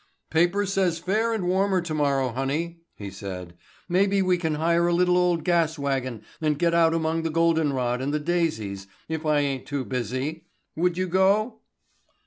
"Paper says fair and warmer tomorrow, honey," he said. "Maybe we can hire a little old gas wagon and get out among the golden rod and the daisies, if I ain't too busy. Would you go?"